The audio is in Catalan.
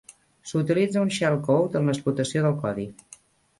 S'utilitza una shellcode en l'explotació del codi.